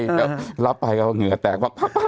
แต่ตามมาแผ่งไม่ได้ก็เหงื่อแตก